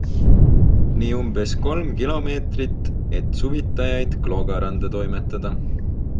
Nii umbes kolm kilomeetrit, et suvitajaid Kloogaranda toimetada.